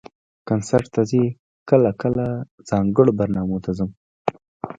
کنسرټ ته ځئ؟ کله کله، ځانګړو برنامو ته ځم